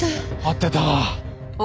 合ってた。